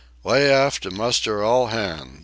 Lay aft to muster all hands!"